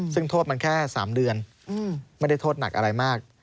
ซึ่งโทษมันแค่๓เดือนไม่ได้โทษหนักอะไรมาก